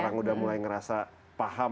orang sudah mulai merasa paham